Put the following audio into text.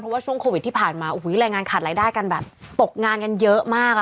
เพราะว่าช่วงโควิดที่ผ่านมาโอ้โหรายงานขาดรายได้กันแบบตกงานกันเยอะมาก